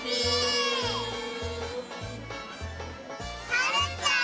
はるちゃん！